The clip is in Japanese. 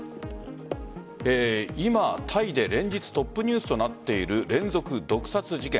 今、タイで連日トップニュースとなっている連続毒殺事件。